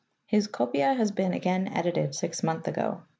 His Copia has been again edited six months ago.